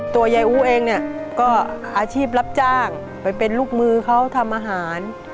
ยายอู้เองเนี่ยก็อาชีพรับจ้างไปเป็นลูกมือเขาทำอาหาร